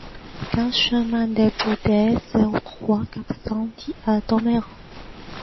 quinze chemin des Boudaises, zéro trois, quatre cent dix à Domérat